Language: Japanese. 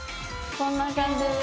こんな感じです。